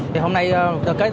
thì hôm nay hợp tiết khá đẹp